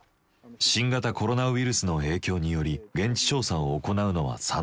新型コロナウイルスの影響により現地調査を行うのは３年ぶり。